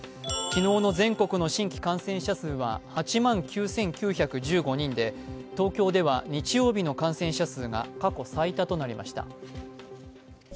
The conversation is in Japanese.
昨日の全国の新規感染者数は８万９９１５人で東京では日曜日の感染者数が過去最多となりました。